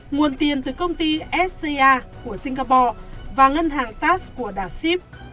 nguồn tiền từ công ty sca của singapore và ngân hàng tass của đảo sip